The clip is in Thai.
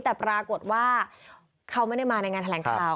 แต่ปรากฏว่าเขาไม่ได้มาในงานแถลงข่าว